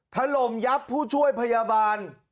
ถล่มยับผู้ช่วยพยาบาล